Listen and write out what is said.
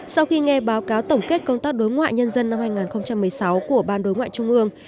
sau khi nghe báo cáo tổng kết công tác đối ngoại nhân dân năm hai nghìn một mươi sáu của ban đối ngoại trung ương